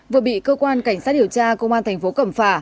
vừa bị cơ quan cảnh sát điều tra công an thành phố cẩm phả